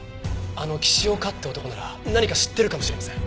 あの岸岡って男なら何か知ってるかもしれません。